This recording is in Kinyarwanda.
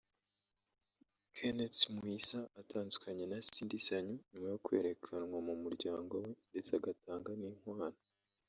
Kenneth Muyisa atandukanye na Cindy Sanyu nyuma yo kwerekanwa mu muryango we ndetse agatanga n’inkwano